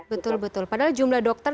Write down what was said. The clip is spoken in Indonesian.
betul betul padahal jumlah dokter